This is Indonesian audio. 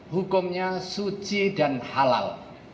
hukumnya suci dan halal